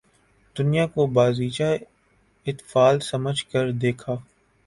دنیا کو بازیچہ اطفال سمجھ کر دیکھا